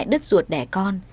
bà mẹ đứt ruột đẻ con